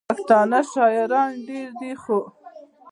پښتانه شاعران ډېر دي، خو: